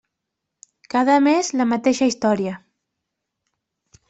Cada mes, la mateixa història.